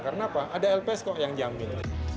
karena apa ada lps kok yang jamin